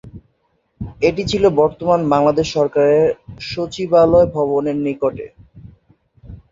এটি ছিল বর্তমান বাংলাদেশ সরকারের সচিবালয় ভবনের নিকটে।